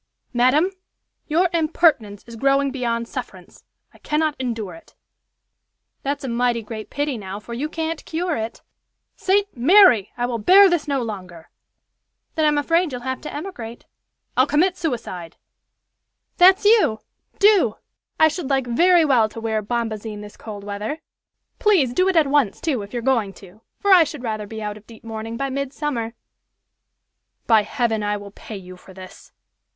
"Madam, your impertinence is growing beyond sufferance. I cannot endure it." "That's a mighty great pity, now, for you can't cure it." "St. Mary! I will bear this no longer." "Then I'm afraid you'll have to emigrate!" "I'll commit suicide." "That's you! Do! I should like very well to wear bombazine this cold weather. Please do it at once, too, if you're going to, for I should rather be out of deep mourning by midsummer!" "By heaven, I will pay you for this."